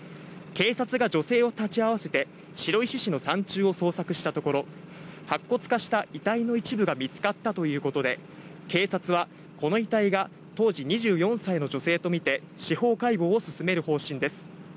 警察が女性を立ち会わせて、白石市の山中を捜索したところ、白骨化した遺体の一部が見つかったということで、警察はこの遺体が当時２４歳の女性と見て司法解剖を進める方針です。